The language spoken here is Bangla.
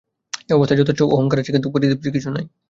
এ অবস্থায় যথেষ্ট অহংকার আছে কিন্তু পরিতৃপ্তি কিছুই নাই।